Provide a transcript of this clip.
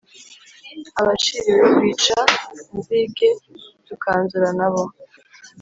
abaciriwe rwica-nzige tukanzurana abo